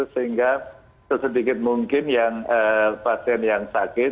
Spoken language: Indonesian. sehingga sesedikit mungkin yang pasien yang sakit